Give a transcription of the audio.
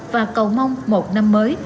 và cầu mong một năm mới